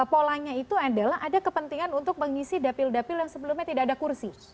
polanya itu adalah ada kepentingan untuk mengisi dapil dapil yang sebelumnya tidak ada kursi